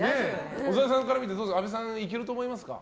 小沢さんからみて阿部さんいけると思いますか。